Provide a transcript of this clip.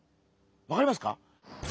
わかりますか？